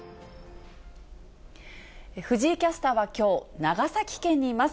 藤井キャスターはきょう、長崎県にいます。